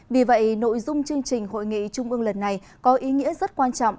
vì vậy nội dung chương trình hội nghị trung ương lần này có ý nghĩa rất quan trọng